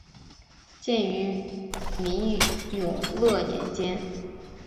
建于明永乐年间。